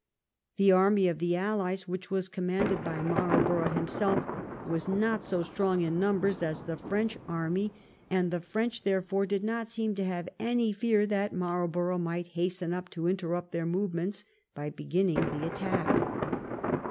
The army of the allies, which was commanded by Marlborough him self, was not so strong in numbers as the French army ; and the French, therefore, did not seem to have any fear that Marlborough might hasten up to interrupt their movements by beginning the attack.